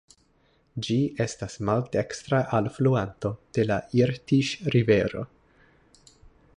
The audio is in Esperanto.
Ĝi estas maldekstra alfluanto de la Irtiŝ-rivero.